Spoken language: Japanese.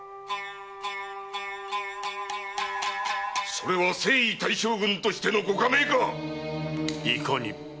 それは征夷大将軍としてのご下命か⁉いかにも。